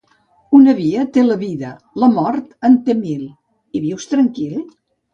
Una via té la vida, la mort en té mil. I vius tranquil?